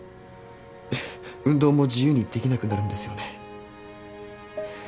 運動も自由にできなくなるんですよね？